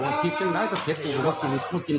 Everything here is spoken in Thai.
มึงขโมยพริกกูเหรอ